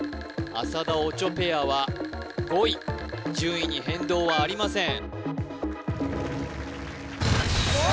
浅田・オチョペアは５位順位に変動はありません